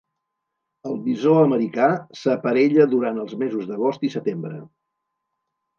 El bisó americà s'aparella durant els mesos d'agost i setembre.